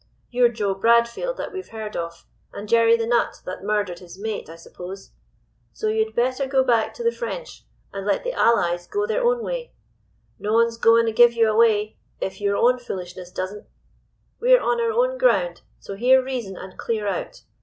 You're Joe Bradfield, that we've heard of, and Jerry the Nut that murdered his mate, I suppose. So you'd better go back to the French, and let the allies go their own way. No one's goen' to give you away, if your own foolishness doesn't. We're on our own ground, so hear reason and clear out.